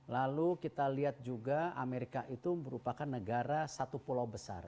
lalu kita lihat juga amerika itu merupakan negara satu pulau besar